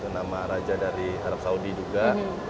nama raja dari arab saudi juga